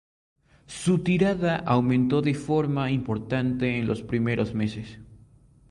Su tirada aumentó de forma importante en los primeros meses.